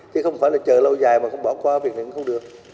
thì không phải là chờ lâu dài mà không bỏ cuộc sống